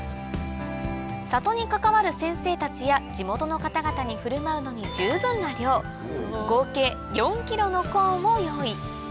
里に関わる先生たちや地元の方々に振る舞うのに十分な量合計４ｋｇのコーンを用意